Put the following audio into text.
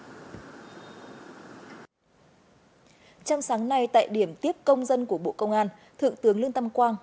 trong sáng nay tại điểm tiếp công dân của bộ công an thượng tướng lương tâm quang